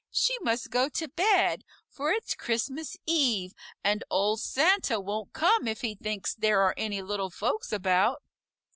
She must go to bed, for it's Christmas Eve, and old Santa won't come if he thinks there are any little folks about."